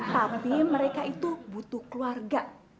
tapi mereka itu butuh keluarga